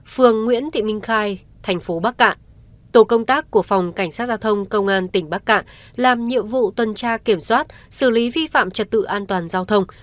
phường nguyễn thị minh khai thành phố bắc cạn tổ công tác của phòng cảnh sát giao thông công an tỉnh bắc cạn làm nhiệm vụ tuần tra kiểm soát xử lý vi phạm trật tự an toàn giao thông